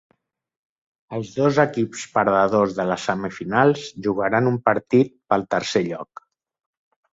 Els dos equips perdedors de les semifinals jugaran un partit pel tercer lloc.